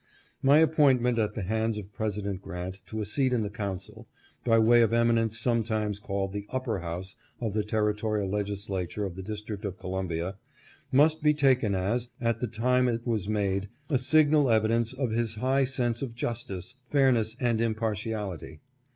My appointment at the hands of President Grant to a seat in the council — by way of eminence sometimes called the upper house of the territorial legislature of the Dis trict of Columbia — must be taken as, at the time it was made, a signal evidence of his high sense of justice, fairness, and impartiality.